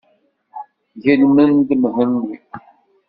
Gelmem-d Mhenni.